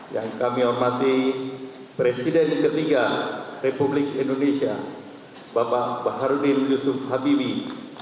yang kami hormati presiden ketiga republik indonesia bapak baharudin yusuf habibie